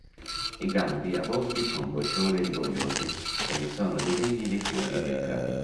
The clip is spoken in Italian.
I gambi avvolti con boccioli rigogliosi e vi sono disegni di fiori delicati.